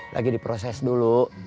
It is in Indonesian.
lagi diproses dulu